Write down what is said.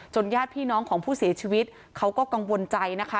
ญาติพี่น้องของผู้เสียชีวิตเขาก็กังวลใจนะคะ